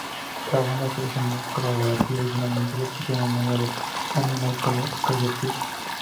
La banda se hizo más colaborativa y finalmente se pusieron el nombre "Animal Collective".